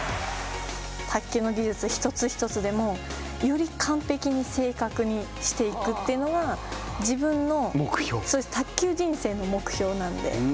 卓球の技術一つ一つでも、より完璧に正確にしていくというのが自分の卓球人生の目標なんで。